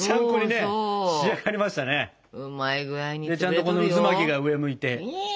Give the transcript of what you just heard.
でちゃんとこの渦巻きが上向いて。